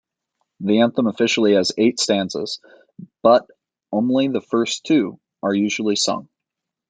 The anthem officially has eight stanzas, but only the first two are usually sung.